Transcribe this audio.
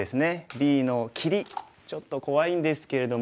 Ｂの切りちょっと怖いんですけれども。